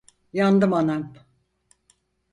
Yandım anam!